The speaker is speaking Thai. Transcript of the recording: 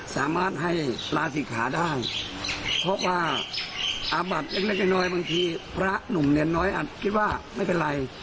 สามารถให้ลาศิกขาได้เพราะว่าอาบัติเล็กเล็กน้อยบางทีพระหนุ่มเนี่ยน้อยอาจคิดว่าไม่เป็นไร